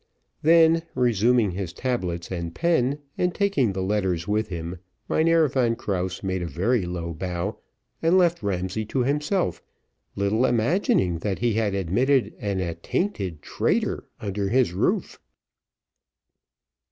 Then, resuming his tablets and pen, and taking the letters with him, Mynheer Van Krause made a very low bow, and left Ramsay to himself, little imagining that he had admitted an attainted traitor under his roof.